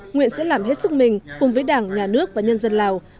nguyện sẽ làm hết sức mình cùng với đảng nhà nước và nhân dân lào